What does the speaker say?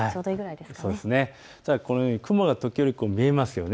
このように雲が時折見えますよね。